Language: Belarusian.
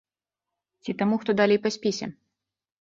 Ці таму, хто далей па спісе?